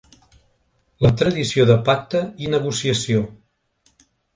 La tradició de pacte i negociació.